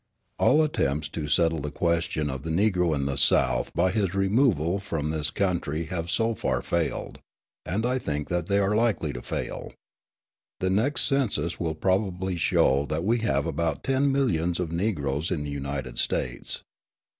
All attempts to settle the question of the Negro in the South by his removal from this country have so far failed, and I think that they are likely to fail. The next census will probably show that we have about ten millions of Negroes in the United States.